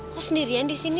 kok sendirian disini